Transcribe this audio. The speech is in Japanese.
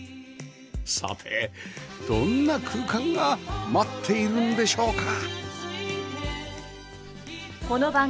さてどんな空間が待っているんでしょうか？